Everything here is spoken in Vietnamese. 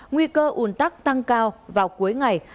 nguy cơ ủn tắc tăng cao vào cuối ngày